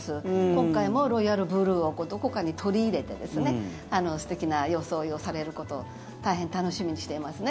今回もロイヤルブルーをどこかに取り入れて素敵な装いをされることを大変楽しみにしていますね。